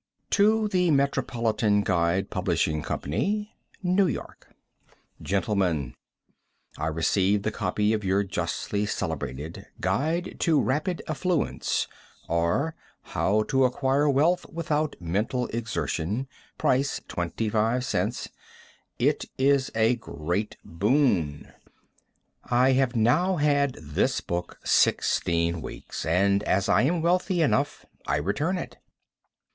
To The Metropolitan Guide Publishing Co., New York. Gentlemen. I received the copy of your justly celebrated "Guide to rapid Affluence, or How to Acquire Wealth Without Mental Exertion," price twenty five cents. It is a great boon. I have now had this book sixteen weeks, and, as I am wealthy enough, I return it.